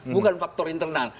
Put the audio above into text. bukan faktor internal